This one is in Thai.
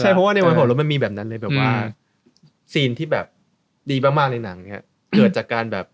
ใช่เพราะว่าในวัยหัวรถมันมีแบบนั้นเลยแบบว่าซีนที่แบบดีมากในหนังเนี่ยเกิดจากการแบบ